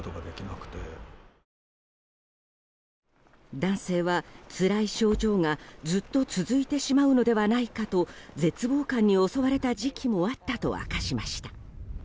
男性はつらい症状が、ずっと続いてしまうのではないかと絶望感に襲われた時期もあったと明かしました。